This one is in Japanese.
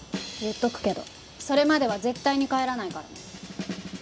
言っとくけどそれまでは絶対に帰らないからね。